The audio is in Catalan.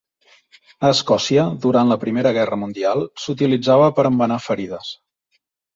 A Escòcia, durant la Primera Guerra Mundial, s'utilitzava per embenar ferides.